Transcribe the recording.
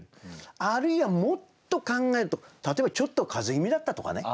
あるいはもっと考えると例えばちょっと風邪気味だったとかね。